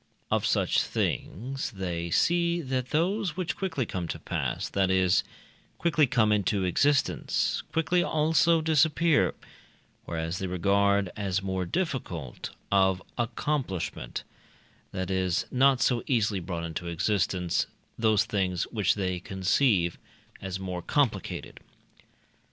Of such things, they see that those which quickly come to pass that is, quickly come into existence quickly also disappear; whereas they regard as more difficult of accomplishment that is, not so easily brought into existence those things which they conceive as more complicated.